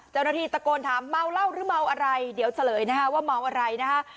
เจ้าหน้าที่ตะโกนถามเมาเหล้าหรือเมาอะไรเดี๋ยวเฉลยนะคะว่าเมาอะไรนะคะ